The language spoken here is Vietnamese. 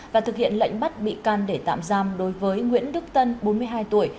và thực hiện lệnh bắt bị can để tạm giam đối với nguyễn đức tân bốn mươi hai tuổi